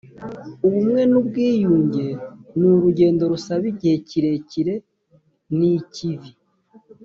ubumwe n ubwiyunge ni urugendo rusaba igihe kirekire ni ikivi